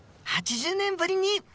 ８０年ぶりに？